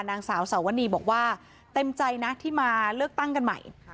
นางสาวสาวนีบอกว่าเต็มใจนะที่มาเลือกตั้งกันใหม่